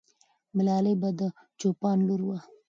ملالۍ به د چوپان لور وه.